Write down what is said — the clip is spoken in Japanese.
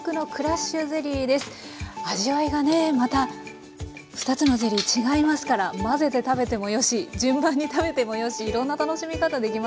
味わいがねまた２つのゼリー違いますから混ぜて食べてもよし順番に食べてもよしいろんな楽しみ方できますね。